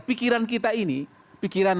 pikiran kita ini pikiran